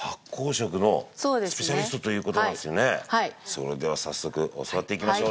それでは早速教わっていきましょう。